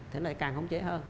thế lại càng khống chế hơn